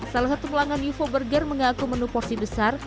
salah satu pelanggan ufo burger mengaku menu porsi besar